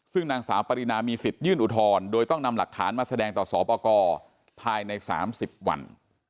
ซึ่งนางสาวปรินามีสิทธิ์ยื่นอุทธรณ์โดยต้องนำหลักฐานมาแสดงต่อสอปกรภายใน๓๐วัน